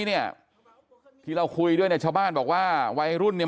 เนี่ยที่เราคุยด้วยเนี่ยชาวบ้านบอกว่าวัยรุ่นเนี่ย